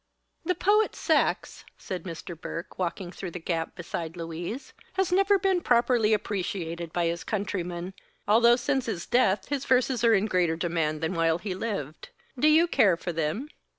"The poet Saxe," said Mr. Burke, walking through the gap beside Louise, "has never been properly appreciated by his countrymen, although since his death his verses are in greater demand than while he lived. Do you care for them?"